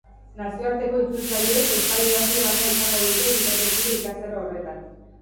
Nazioarteko itzultzaileek euskal idazle bana izango dute bikotekide ikastaro horretan.